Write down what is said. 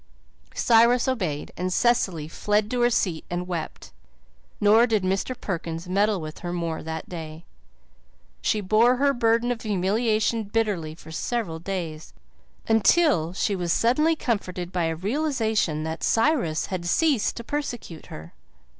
Cyrus obeyed and Cecily fled to her seat and wept, nor did Mr. Perkins meddle with her more that day. She bore her burden of humiliation bitterly for several days, until she was suddenly comforted by a realization that Cyrus had ceased to persecute her.